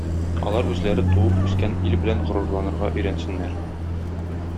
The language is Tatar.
Алар үзләре туып-үскән ил белән горурланырга өйрәнсеннәр.